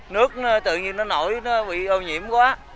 nước tự nhiên nó nổi nó bị ô nhiễm quá